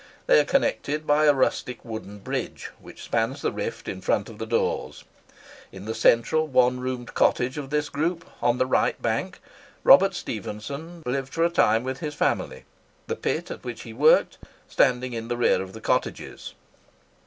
They are connected by a rustic wooden bridge, which spans the rift in front of the doors. In the central one roomed cottage of this group, on the right bank, Robert Stephenson lived for a time with his family; the pit at which he worked standing in the rear of the cottages.